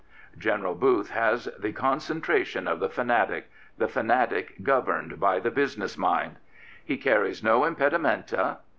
General Booth has the concentration of the fanatic — the fanatic governed by the business mind. He carries no impedimenta.